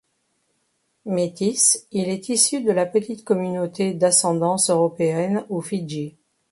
Métis, il est issu de la petite communauté d'ascendance européenne aux Fidji.